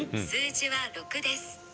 数字は６です。